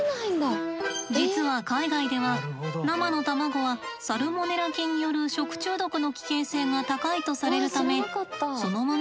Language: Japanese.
実は海外では生の卵はサルモネラ菌による食中毒の危険性が高いとされるためそのままで食べることは少ないんです。